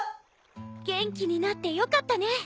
元気になってよかったね。